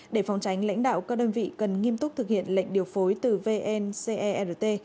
để phòng tránh lãnh đạo các đơn vị cần nghiêm túc thực hiện lệnh điều phối từ vncert